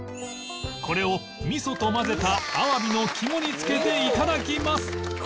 これをみそと混ぜたアワビの肝につけて頂きます